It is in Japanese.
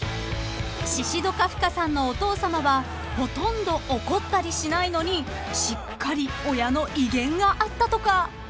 ［シシド・カフカさんのお父さまはほとんど怒ったりしないのにしっかり親の威厳があったとか］